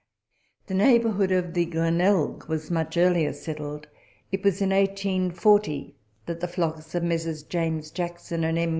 The neighbourhood of the Glenelg was much earlier settled. It was in 1840 that the flocks of Messrs. James Jackson and M.